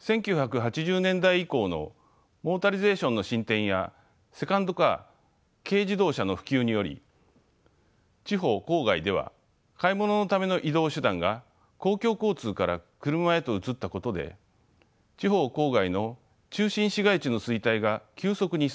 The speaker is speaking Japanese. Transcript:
１９８０年代以降のモータリゼーションの進展やセカンドカー軽自動車の普及により地方郊外では買い物のための移動手段が公共交通から車へと移ったことで地方郊外の中心市街地の衰退が急速に進みました。